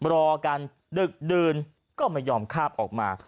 รอกันดึกดื่นก็ไม่ยอมคาบออกมา